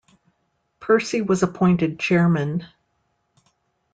Percy was appointed chairman.